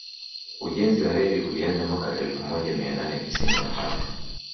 Ujenzi wa reli ulianza mwaka elfu moja mia nane tisini na tano